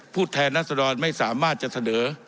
แทนรัศดรไม่สามารถจะเสนอ